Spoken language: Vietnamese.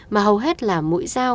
mà hầu hết là mũi dao